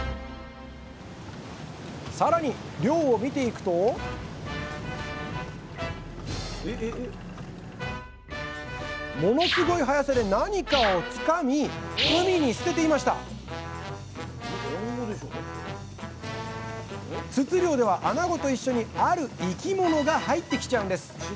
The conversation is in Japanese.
更に漁を見ていくとものすごい速さで何かをつかみ海に捨てていました筒漁ではあなごと一緒にある生き物が入って来ちゃうんです。